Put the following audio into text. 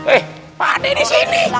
eh padi disini